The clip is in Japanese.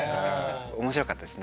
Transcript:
面白かったです